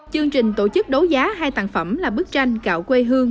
chương trình tổ chức đấu giá hai tạng phẩm là bức tranh cạo quê hương